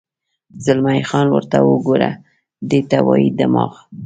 زلمی خان: ورته وګوره، دې ته وایي دماغ.